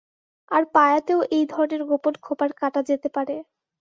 আর পায়াতেও এই ধরনের গোপন খোপার কাটা যেতে পারে।